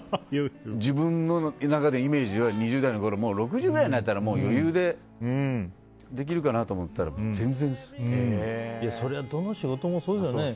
自分の中でイメージは２０代のころは６０くらいになったら余裕でできるかなと思ってたらそれはどの仕事もそうですよね。